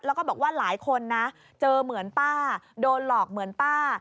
แล้วก็บอกว่าหลายคนนะเจอเหมือนป้าโดนหลอกเหมือนป้า